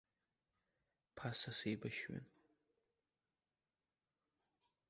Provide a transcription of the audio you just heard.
Ԥаса сеибашьҩын.